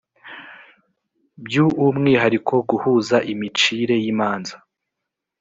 byu umwihariko guhuza imicire y imanza